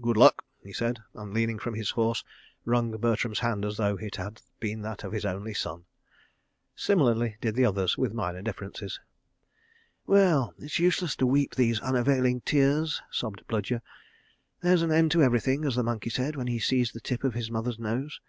Good luck," he said, and leaning from his horse, wrung Bertram's hand as though it had been that of his only son. Similarly did the others, with minor differences. "Well—it's useless to weep these unavailing tears," sobbed Bludyer. "There's an end to everything, as the monkey said when he seized the tip of his mother's nose.